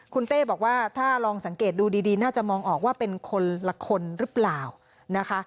คุณเต้บอกว่าถ้าลองสังเกตดูดีน่าจะมองออกว่าเป็นคนละคนหรือเปล่านะคะ